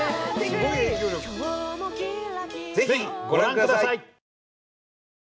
ぜひご覧ください！